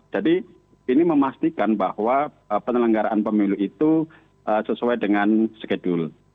jadi ini memastikan bahwa penelenggaraan pemilu itu sesuai dengan skedul